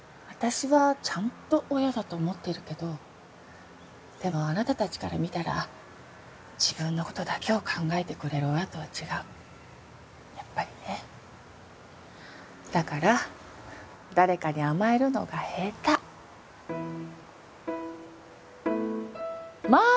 私はちゃんと親だと思ってるけどでもあなた達から見たら自分のことだけを考えてくれる親とは違うやっぱりねだから誰かに甘えるのが下手ま